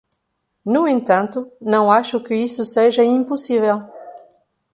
No entanto, não acho que isso seja impossível.